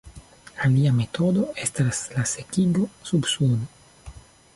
Alia metodo estas la sekigo sub Suno.